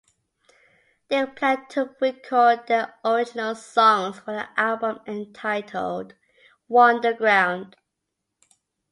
They plan to record their original songs for an album entitled "Wonderground".